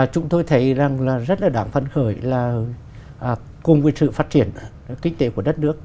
chúng tôi thấy rằng là rất là đáng phân khởi là cùng với sự phát triển kinh tế của đất nước